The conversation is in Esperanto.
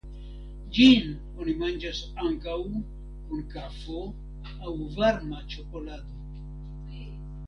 Ĝin oni manĝas ankaŭ kun kafo aŭ varma ĉokolado.